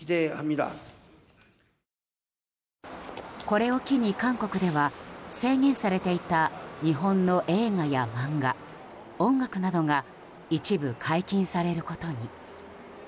これを機に、韓国では制限されていた日本の映画や漫画、音楽などが一部解禁されることに。